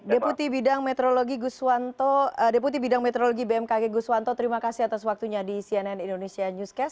deputi bidang meteorologi bmkg guswanto terima kasih atas waktunya di cnn indonesia newscast